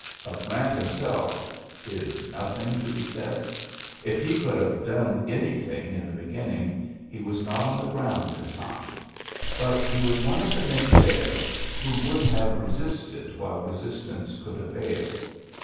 .•. Of Grant himself — is nothing to be saidt ... If he could have done any thing in the beginning, he was not on the ground in time. ... But he was one of the many there who would have re sisted while resistance could avail.